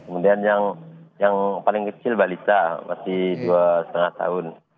kemudian yang paling kecil balita masih dua lima tahun